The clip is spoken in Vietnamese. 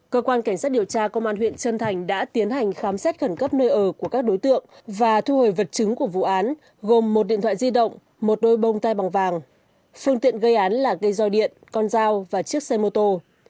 cơ quan cảnh sát điều tra công an huyện trân thành đã tiến hành khám xét khẩn cấp nơi ở của các đối tượng và thu hồi vật chứng của vụ án gồm một điện thoại di động một đôi bông tai bằng vàng phương tiện gây án là gây roi điện con dao và chiếc xe mô tô